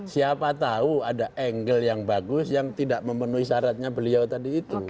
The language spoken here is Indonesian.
siapa tahu ada angle yang bagus yang tidak memenuhi syaratnya beliau tadi itu